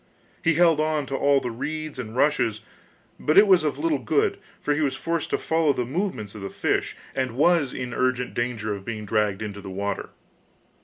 He held on to all the reeds and rushes, but it was of little good, for he was forced to follow the movements of the fish, and was in urgent danger of being dragged into the water.